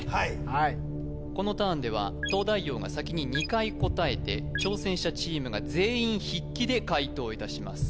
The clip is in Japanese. はいこのターンでは東大王が先に２回答えて挑戦者チームが全員筆記で解答いたします